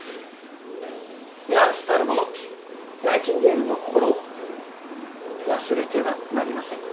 ナースたる者ナイチンゲールの心を忘れてはなりません。